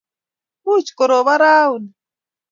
much korobon rauni